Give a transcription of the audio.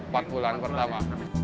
empat bulan pertama